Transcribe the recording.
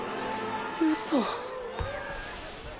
うそ。